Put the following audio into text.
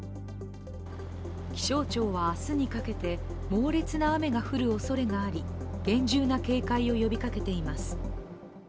気象庁は明日にかけて、猛烈な雨が降るおそれがあり厳重な警戒を呼びかけています。